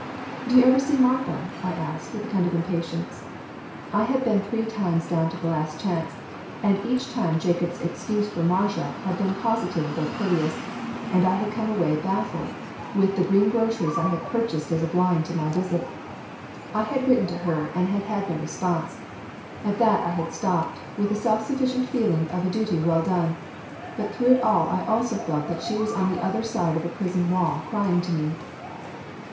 "Do you ever see Martha?" I asked with a kind of impatience. I had been three times down to the Last Chance and each time Jacob's excuses for Martha had been positive though courteous, and I had come away baffled, with the green groceries I had purchased as a blind to my visit. I had written to her and had had no response. At that I had stopped, with a self sufficient feeling of a duty well done, but through it all I also felt that she was on the other side of a prison wall crying to me.